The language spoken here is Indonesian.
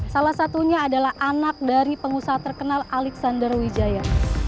salah satunya adalah anak dari pengusaha terkenal alexander wijaya